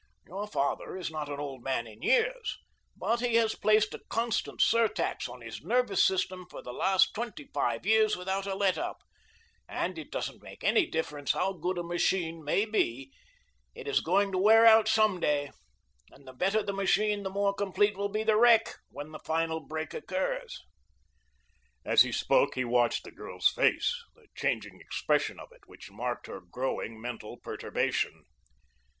Your father is not an old man in years, but he has placed a constant surtax on his nervous system for the last twenty five years without a let up, and it doesn't make any difference how good a machine may be it is going to wear out some day, and the better the machine the more complete will be the wreck when the final break occurs." As he spoke he watched the girl's face, the changing expression of it, which marked her growing mental perturbation.